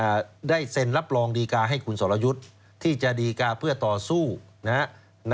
ได้เซ็นรับรองดีการ์ให้คุณสรยุทธ์ที่จะดีกาเพื่อต่อสู้นะฮะ